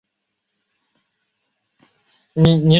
分配帐会在公司完成计算纯利后才出现。